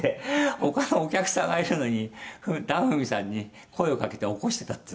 他のお客さんがいるのに檀ふみさんに声を掛けて起こしてたっていう」